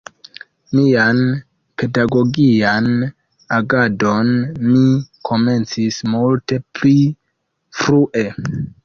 Mian pedagogian agadon mi komencis multe pli frue.